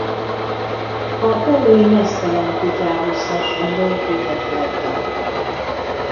A perui meztelen kutyához hasonló kutyafajta.